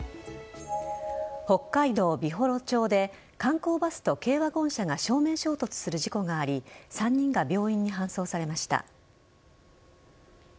北海道美幌町で観光バスと軽ワゴン車が正面衝突する事故があり３人が病院に搬送されました。